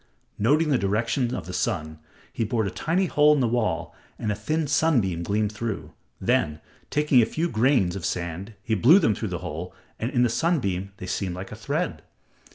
Noting the direction of the sun, he bored a tiny hole in the wall, and a thin sunbeam gleamed through. Then, taking a few grains of sand he blew them through the hole and in the sunbeam they seemed like a thread.